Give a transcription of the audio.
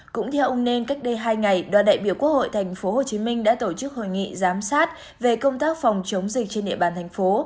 cũng theo ông nên cách đây hai ngày đoàn đại biểu quốc hội tp hcm đã tổ chức hội nghị giám sát về công tác phòng chống dịch trên địa bàn thành phố